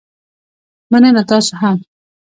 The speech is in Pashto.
مننه، تاسو هم